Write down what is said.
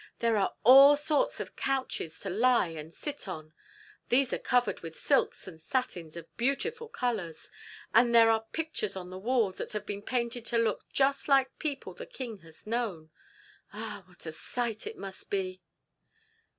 There are all sorts of couches to lie and sit on. These are covered with silks and satins of beautiful colours, and there are pictures on the walls that have been painted to look just like people the king has known. Ah! what a sight it must be!"